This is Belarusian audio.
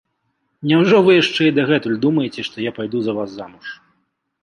Няўжо вы яшчэ і дагэтуль думаеце, што я пайду за вас замуж?